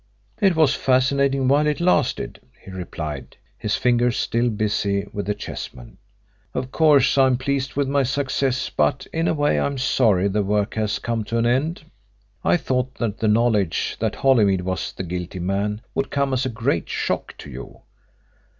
"It was fascinating while it lasted," he replied, his fingers still busy with the chessmen. "Of course, I am pleased with my success, but in a way I am sorry the work has come to an end. I thought that the knowledge that Holymead was the guilty man would come as a great shock to you.